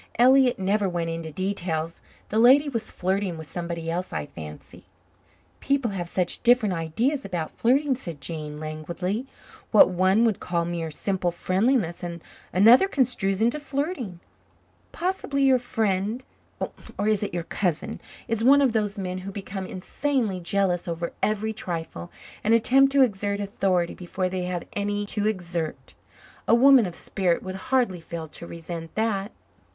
Elliott never went into details. The lady was flirting with somebody else, I fancy." "People have such different ideas about flirting," said Jane, languidly. "What one would call mere simple friendliness another construes into flirting. Possibly your friend or is it your cousin? is one of those men who become insanely jealous over every trifle and attempt to exert authority before they have any to exert. A woman of spirit would hardly fail to resent that."